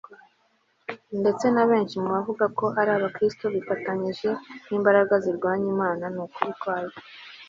Ndetse na benshi mu bavuga ko ari Abakristo bifatanyije nimbaraga zirwanya Imana nukuri kwayo